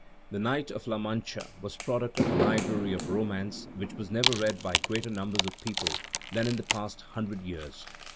The Knight of La Mancha was product of a library of romance which was never read by greater numbers of people than in the past hundred years.